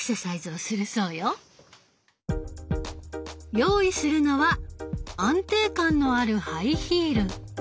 用意するのは安定感のあるハイヒール。